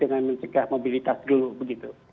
dengan mencegah mobilitas dulu begitu